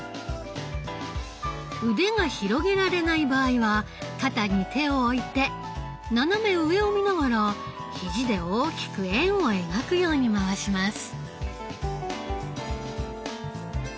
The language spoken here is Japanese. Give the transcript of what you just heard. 腕が広げられない場合は肩に手を置いて斜め上を見ながら肘で大きく円を描くように回します。